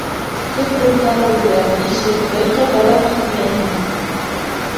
Төп ролдәрҙе бирәм, ишет, бер ҡайҙа ла китмәйһең!